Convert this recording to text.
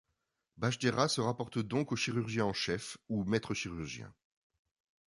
Bachdjerah se rapporte donc au chirurgien en chef ou maître-chirurgien.